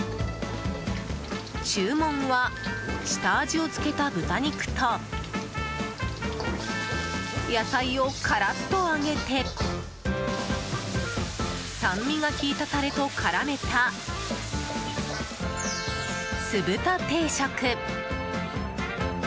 注文は、下味をつけた豚肉と野菜をからっと揚げて酸味が効いたタレと絡めたスブタ定食。